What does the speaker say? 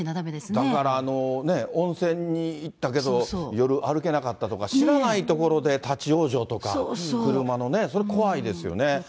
だから温泉に行ったけど、夜、歩けなかったとか、知らない所で立往生とか、車のね、それ、怖いですよね。